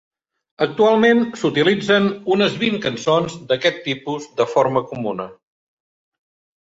Actualment s"utilitzen unes vint cançons d"aquest tipus de forma comuna.